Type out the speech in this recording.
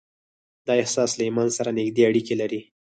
دا احساس له ايمان سره نږدې اړيکې لري.